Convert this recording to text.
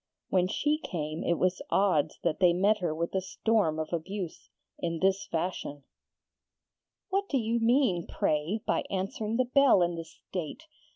When she came it was odds that they met her with a storm of abuse, in this fashion: 'What do you mean, pray, by answering the bell in this state?